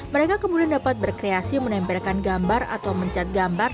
mereka kemudian dapat berkreasi menempelkan gambar atau mencat gambar